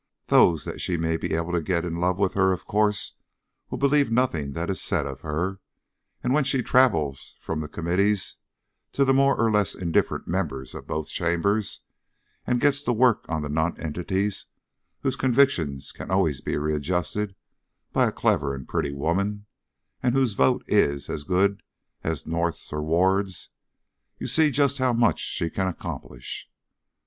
Those that she may be able to get in love with her, of course will believe nothing that is said of her, and when she travels from the Committees to the more or less indifferent members of both chambers, and gets to work on the nonentities whose convictions can always be readjusted by a clever and pretty woman, and whose vote is as good as North's or Ward's, you see just how much she can accomplish."